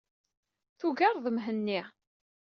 Tugareḍ Mhenni.